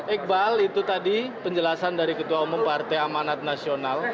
iqbal itu tadi penjelasan dari ketua umum partai amanat nasional